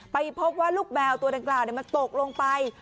ไปพบว่าลูกแมวตัวดังกล่าวมันตกลงไป